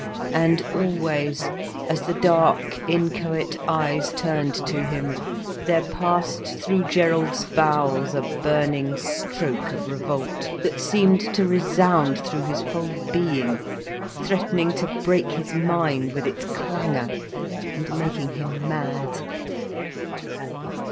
And always, as the dark, inchoate eyes turned to him, there passed through Gerald's bowels a burning stroke of revolt, that seemed to resound through his whole being, threatening to break his mind with its clangour, and making him mad.